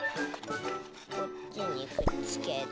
こっちにくっつけて。